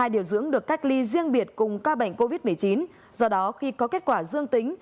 một hai điều dưỡng được cách ly riêng biệt cùng ca bệnh covid một mươi chín do đó khi có kết quả dương tính